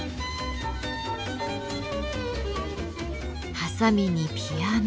ハサミにピアノ。